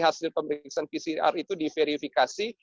hasil pemeriksaan pcr itu diverifikasi